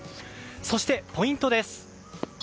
そして、ポイントです。